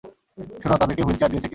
শুনো, তাদেরকে হুইলচেয়ার দিয়েছে কে?